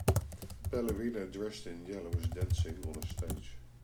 A ballerina dressed in yellow is dancing, on a stage.